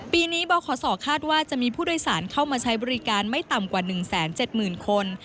ปีนี้บขคาดว่าจะมีผู้โดยสารเข้ามาใช้บริการไม่ต่ำกว่า๑๗๐๐๐คน